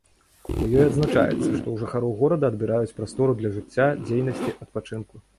У ёй адзначаецца, што ў жыхароў горада адбіраюць прастору для жыцця, дзейнасці, адпачынку.